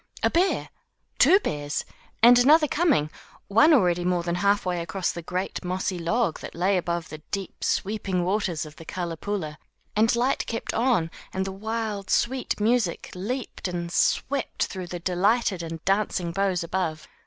A bear! two bears! and another coming; one already more than half way across the great, mossy log that lay above the deep, sweeping waters of the CaKpoola; and Lyte kept on, and the wild, sweet music leaped up and swept through the delighted and dancing boughs above.